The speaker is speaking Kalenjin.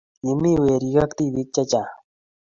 Kimie werik ak tibik chechang